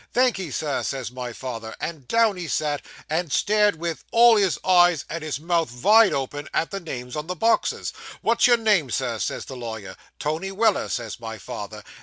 "Thank'ee, Sir," says my father, and down he sat, and stared with all his eyes, and his mouth vide open, at the names on the boxes. "What's your name, Sir," says the lawyer. "Tony Weller," says my father.